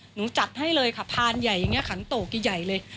หนูจัดให้เลยค่ะพานใหญ่อย่างเนี้ยขันโต๊ะกี่ใหญ่เลย